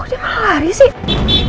kok dia malah lari sih